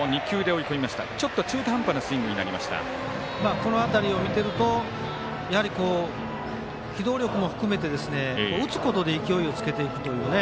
この辺りを見てるとやはり、機動力も含めて打つことで勢いをつけていくというね。